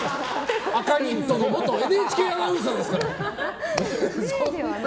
赤いニットの元ＮＨＫアナウンサーですから。